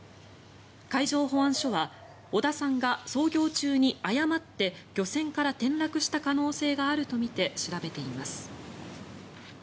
海上保安署は小田さんが操業中に誤って漁船から転落した可能性があるとみて調べています。